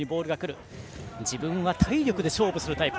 自分は体力で勝負するタイプ